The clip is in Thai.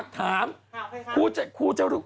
เขาฝากถาม